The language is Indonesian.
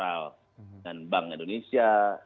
dengan bank indonesia